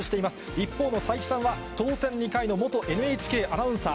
一方の斉木さんは、当選２回の元ＮＨＫアナウンサー。